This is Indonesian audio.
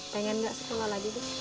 pengen nggak sekolah lagi dong